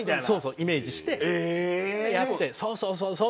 イメージしてやってそうそうそうそう！